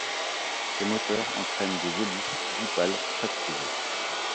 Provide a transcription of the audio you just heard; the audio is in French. Ses moteurs entraînent des hélices bipales tractives.